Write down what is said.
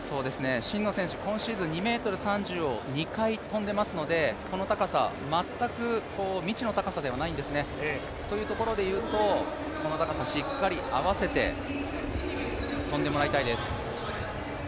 真野選手、今シーズン２ｍ３０を２回跳んでいますのでこの高さ、全く未知の高さではないんですね。というところでいうとこの高さ、しっかり合わせて跳んでもらいたいです。